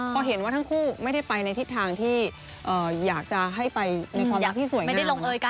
พอเห็นว่าทั้งคู่ไม่ได้ไปในทิศทางที่อยากจะให้ไปในความรักที่สวยไม่ได้ลงเอยกัน